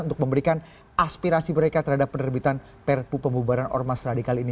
untuk memberikan aspirasi mereka terhadap penerbitan perpu pembubaran ormas radikal ini